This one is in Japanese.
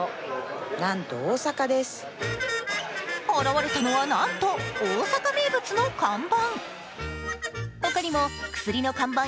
現れたのはなんと大阪名物の看板。